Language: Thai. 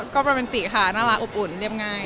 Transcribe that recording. ก็โรแมนติค่ะน่ารักอบอุ่นเรียบง่าย